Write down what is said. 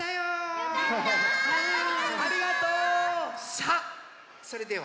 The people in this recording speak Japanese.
さあそれでは